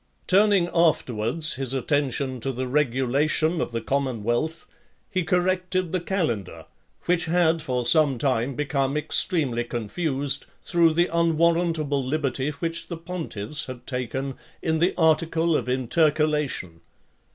XL. Turning afterwards his attention to the regulation of the commonwealth, he corrected the calendar , which had for (28) some time become extremely confused, through the unwarrantable liberty which the pontiffs had taken in the article of intercalation.